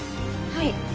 はい。